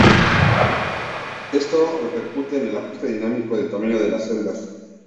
Esto repercute en el ajuste dinámico del tamaño de las celdas.